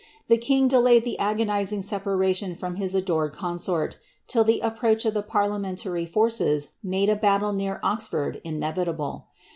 The king delayed the agoniziog separation from his adored consort, till the approach of the parliamentary forces made a hattle near Oxford inevitable.